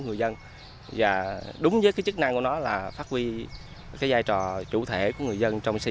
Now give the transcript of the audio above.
người dân và đúng với cái chức năng của nó là phát huy cái giai trò chủ thể của người dân trong xây